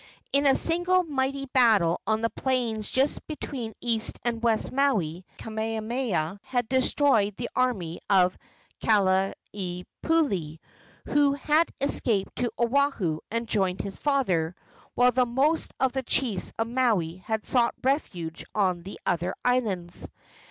In a single mighty battle on the plains between East and West Maui, Kamehameha had destroyed the army of Kalanikupule, who had escaped to Oahu and joined his father, while the most of the chiefs of Maui had sought refuge on the other islands.